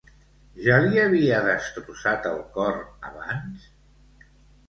Ja li havia destrossat el cor abans?